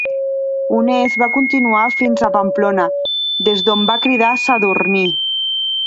Honest va continuar fins a Pamplona, des d'on va cridar Sadurní.